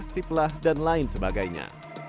siplah dan lain sebagainya